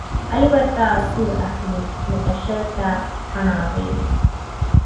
علي ورته سور اخلي، لکه شل ته کڼاوې.